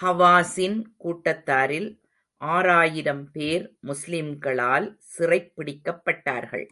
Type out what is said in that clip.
ஹவாஸின் கூட்டத்தாரில் ஆறாயிரம் பேர், முஸ்லிம்களால் சிறைப் பிடிக்கப்பட்டார்கள்.